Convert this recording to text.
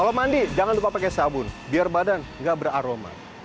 kalau mandi jangan lupa pakai sabun biar badan nggak beraroma